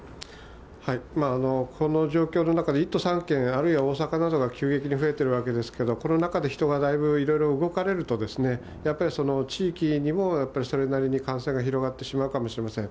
この状況の中で１都３県、あるいは大阪などが急激に増えているわけですけど、コロナ禍で人がだいぶいろいろ動かれると、やっぱりその地域にも、やっぱりそれなりに感染が広がってしまうかもしれません。